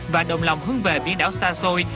và động lòng hướng về biển đảo xa xôi